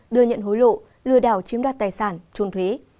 đưa nhận hối lộ lừa đảo chiếm đoạt tài sản trôn thuế